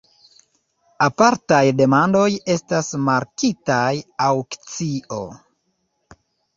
Apartaj demandoj estas markitaj aŭkcio.